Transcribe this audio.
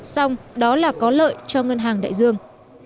xong đó là có lợi cho ngân hàng đại dương